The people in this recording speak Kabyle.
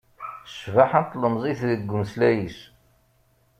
Cbaḥa n tlemẓit deg umeslay-is